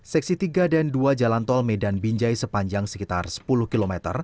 seksi tiga dan dua jalan tol medan binjai sepanjang sekitar sepuluh km